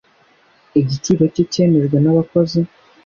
igiciro cye cyemejwe nabakozi.